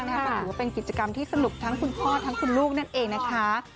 ก็ถือว่าเป็นกิจกรรมที่สนุกทั้งคุณพ่อทั้งคุณลูกนั่นเองนะคะ